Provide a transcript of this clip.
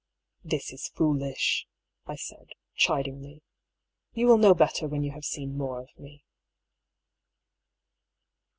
"This is foolish," I said, chidingly. "You will know better when you have seen more of me."